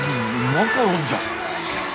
マカロンじゃん。